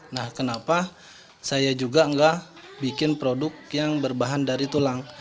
nah kenapa saya juga enggak bikin produk yang berbahan dari tulang